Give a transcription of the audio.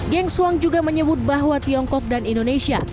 geng suang juga menyebut bahwa tiongkok dan indonesia